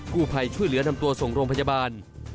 ผู้ภัยช่วยเหลือนำตัวส่งโรงพยาบาล